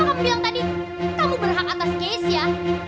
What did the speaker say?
apa kamu bilang tadi kamu berhak atas keisha